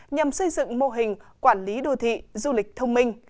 nhằm xây dựng mô hình quản lý đô thị du lịch thông minh